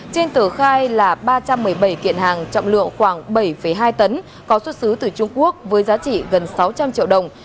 trên tờ khai là ba trăm một mươi bảy kiện hàng trọng lượng khoảng bảy hai tấn có xuất xứ từ trung quốc với giá trị gần sáu trăm linh triệu đồng